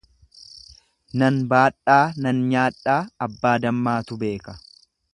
Nan baadhaa nan nyaadhaa, abbaa dammaatu beeka.